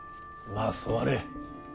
まあ座れ。